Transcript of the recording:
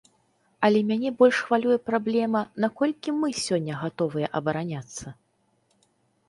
Але мяне больш хвалюе праблема, наколькі мы сёння гатовыя абараняцца?